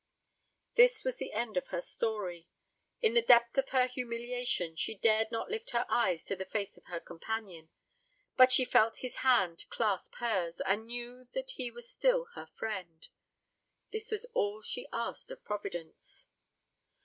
This was the end of her story. In the depth of her humiliation she dared not lift her eyes to the face of her companion; but she felt his hand clasp hers, and knew that he was still her friend. This was all she asked of Providence.